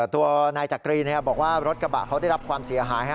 ตัวนายจักรีบอกว่ารถกระบะเขาได้รับความเสียหาย